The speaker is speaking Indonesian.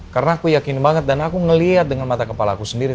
karena aku yakin banget dan aku ngeliat dengan mata kepala aku sendiri